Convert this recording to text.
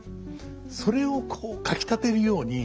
それをこうかきたてるように。